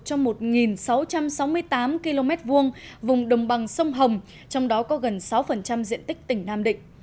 trong một sáu trăm sáu mươi tám km hai vùng đồng bằng sông hồng trong đó có gần sáu diện tích tỉnh nam định